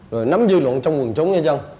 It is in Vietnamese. rồi nắm dư luận trong quần chúng